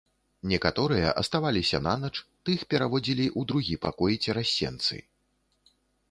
Некаторыя аставаліся нанач, тых пераводзілі ў другі пакой, цераз сенцы.